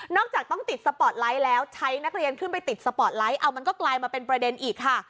จากต้องติดสปอร์ตไลท์แล้วใช้นักเรียนขึ้นไปติดสปอร์ตไลท์เอามันก็กลายมาเป็นประเด็นอีกค่ะ